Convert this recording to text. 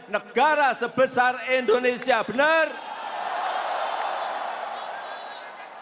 negara sebesar indonesia bener nggak